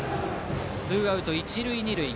ツーアウト、一塁二塁。